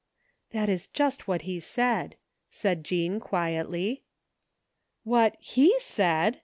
That is just what he said," said Jean quietly. What he said!